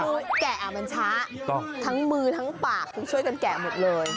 คือแกะมันช้าทั้งมือทั้งปากคือช่วยกันแกะหมดเลย